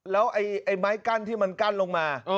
แล้วไอ้ไม้กั้นที่มันกั้นลงมา